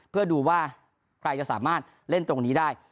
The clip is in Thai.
เพื่อดูว่าใครจะสามารถเล่นตรงนี้ได้